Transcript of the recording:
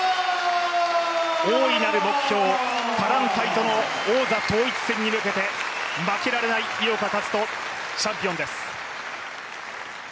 大いなる目標、多団体との王座対決に向けて負けられない井岡一翔チャンピオンです。